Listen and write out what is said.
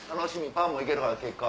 パンも行けるから結果。